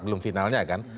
belum finalnya kan